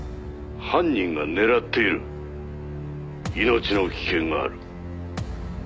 「犯人が狙っている」「命の危険がある」